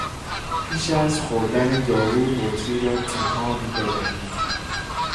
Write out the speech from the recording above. پیش از خوردن دارو بطری را تکان بدهید.